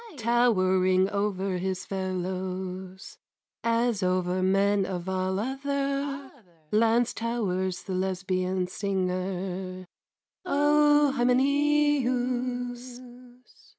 towering over his fellows, As over men of all other Lands towers the Lesbian singer, O Hymenæus!